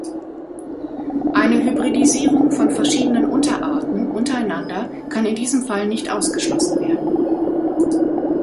Eine Hybridisierung von verschiedenen Unterarten untereinander kann in diesem Fall nicht ausgeschlossen werden.